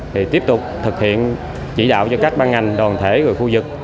thì tiếp tục thực hiện chỉ đạo cho các ban ngành đoàn thể người khu vực